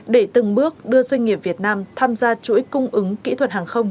để từng bước đưa doanh nghiệp việt nam tham gia chuỗi cung ứng kỹ thuật hàng không